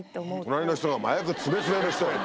隣の人が麻薬ツメツメの人。